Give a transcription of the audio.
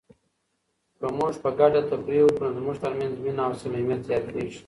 که موږ په ګډه تفریح وکړو نو زموږ ترمنځ مینه او صمیمیت زیاتیږي.